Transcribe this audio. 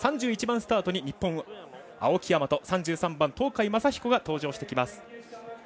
３１番スタートに日本青木大和、３３番東海将彦が登場してきます。